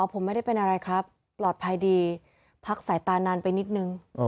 ผมไม่ได้เป็นอะไรครับปลอดภัยดีพักสายตานานไปนิดนึง